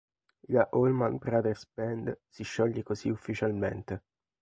La Allman Brothers Band si scioglie così ufficialmente.